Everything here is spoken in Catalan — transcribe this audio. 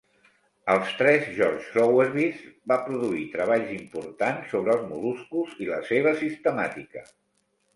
El tres George Sowerbys va produir treballs importants sobre els mol·luscos i la seva sistemàtica.